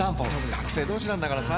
学生同士なんだからさ。